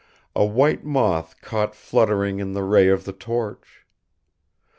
A white moth caught fluttering in the ray of the torch.